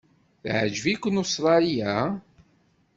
Teɛjeb-iken Ustṛalya?